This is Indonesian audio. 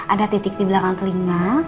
ada titik di belakang telinga